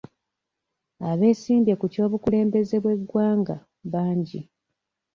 Abesimbye ku ky'obukulembeze bw'eggwanga bangi.